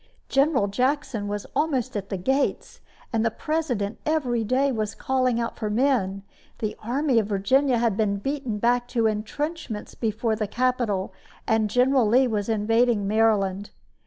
General Jackson was almost at the gates, and the President every day was calling out for men. The Army of Virginia had been beaten back to intrenchments before the capital, and General Lee was invading Maryland.